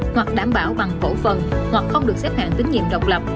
hoặc đảm bảo bằng cổ phần hoặc không được xếp hạng tín nhiệm độc lập